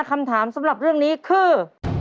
คำถามสำหรับเรื่องนี้คือ